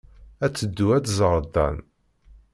Ad teddu ad tẓer Dan.